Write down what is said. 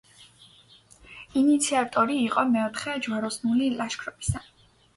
ინიციატორი იყო მეოთხე ჯვაროსნული ლაშქრობისა.